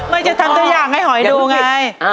ไม่จะทำตัวอย่างให้หอยดูไง